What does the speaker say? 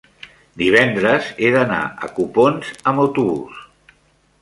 divendres he d'anar a Copons amb autobús.